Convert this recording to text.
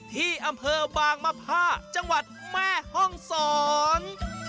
ที่อำเภอบางมภาจังหวัดแม่ห้องสอง